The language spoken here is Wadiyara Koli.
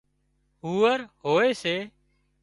هوئرهوئي سي